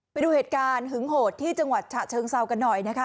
ไปดูเหตุการณ์หึงโหดที่จังหวัดฉะเชิงเซากันหน่อยนะคะ